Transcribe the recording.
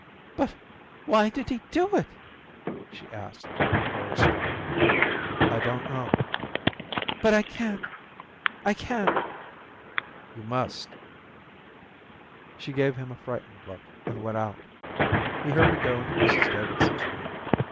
"But why did he do it?" she asked, horror stricken. "I don't know." "But I can't. I can't." "You must." She gave him a frightened look and went out. He heard her go into Mrs Davidson's room.